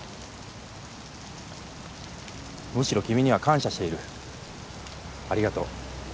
むしろ君には感謝しているありがとう